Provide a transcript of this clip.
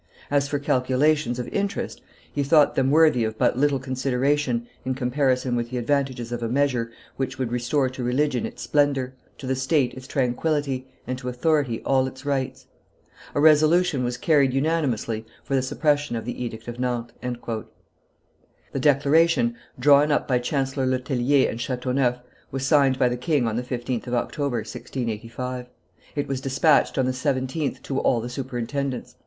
As for calculations of interest, he thought them worthy of but little consideration in comparison with the advantages of a measure which would restore to religion its splendor, to the state its tranquillity, and to authority all its rights. A resolution was carried unanimously for the suppression of the Edict of Nantes." The declaration, drawn up by Chancellor Le Tellier and Chateauneuf, was signed by the king on the 15th of October, 1685; it was despatched on the 17th to all the superintendents.